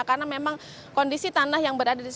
karena memang kondisi tanah yang beratnya tidak terjadi